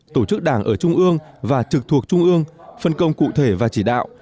tổ chức đảng ở trung ương và trực thuộc trung ương phân công cụ thể và chỉ đạo